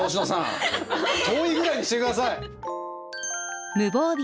遠いぐらいにして下さい！